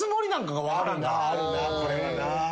あるなぁこれはなぁ。